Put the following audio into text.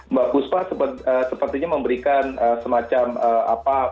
mbak puspa sepertinya memberikan semacam apa